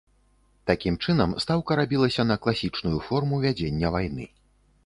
Такім чынам, стаўка рабілася на класічную форму вядзення вайны.